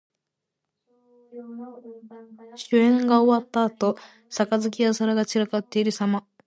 酒宴が終わったあと、杯や皿が散らかっているさま。